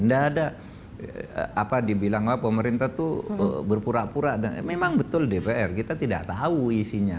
tidak ada apa dibilang pemerintah tuh berpura pura dan memang betul dpr kita tidak tahu isinya